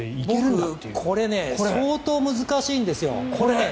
僕、これね相当難しいんですよ。